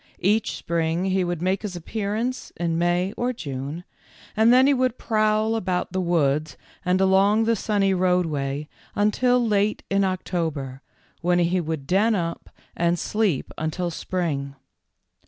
Each spring he would make his appearance in May or June, and then he would prowl about the woods and along the sunny roadway until late in October, when he would den up and sleep until spring.